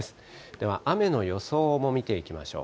では、雨の予想も見ていきましょう。